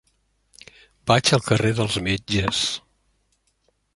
Vaig al carrer dels Metges.